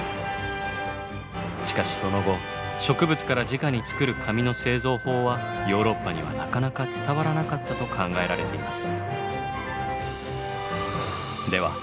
しかしその後植物からじかに作る紙の製造法はヨーロッパにはなかなか伝わらなかったと考えられています。